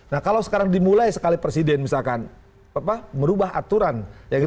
nah kalau sekarang dimulai sekali presiden misalkan merubah aturan